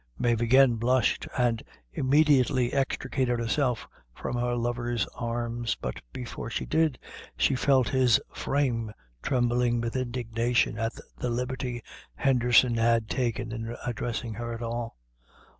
Mave again blushed, and immediately extricated herself from her lover's arms, but before she did, she felt his frame trembling with indignation at the liberty Henderson had taken in addressing her at all.